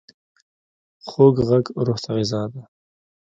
خوږ غږ روح ته غذا ده.